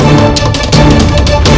bagaimana examination saya sendiri